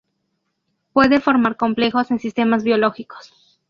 Puede formar complejos en sistemas biológicos.